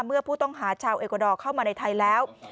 เมื่อผู้ต้องหาชาวเอกวาดอร์เข้ามาในไทยแล้ว